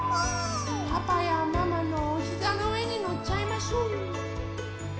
パパやママのおひざのうえにのっちゃいましょう。